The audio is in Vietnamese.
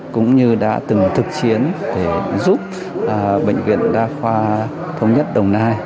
cũng như đã từng thực chiến để giúp bệnh viện đa khoa thống nhất đồng nai